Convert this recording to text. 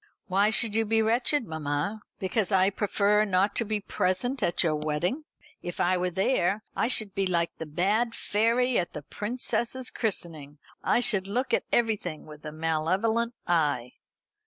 "Why should you be wretched, mamma, because I prefer not to be present at your wedding? If I were there, I should be like the bad fairy at the princess's christening. I should look at everything with a malevolent eye."